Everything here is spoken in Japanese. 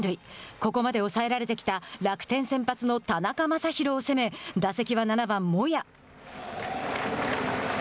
ここまで抑えられてきた楽天先発の田中将大を攻め打席は７番モヤ。